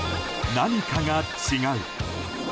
何かが違う。